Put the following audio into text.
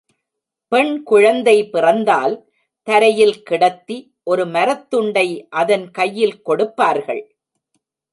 பெண் குழந்தை பிறந்தால் தரையில் கிடத்தி ஒரு மரத்துண்டை அதன் கையில் கொடுப்பார்கள்.